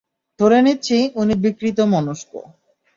ধরে নিচ্ছি, উনি বিকৃত মনস্ক।